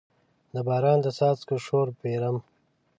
د باران د څاڅکو شور پیرم